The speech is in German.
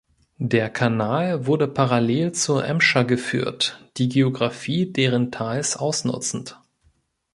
Der Kanal wurde parallel zur Emscher geführt, die Geografie deren Tals ausnutzend.